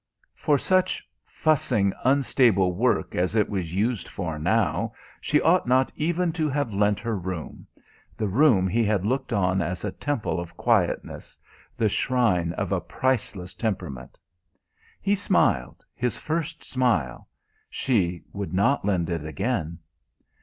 For such fussing, unstable work as it was used for now she ought not even to have lent her room the room he had looked on as a temple of quietness; the shrine of a priceless temperament. He smiled his first smile she should not lend it again.